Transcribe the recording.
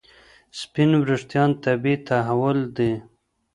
سپین وریښتان طبیعي تحول دی.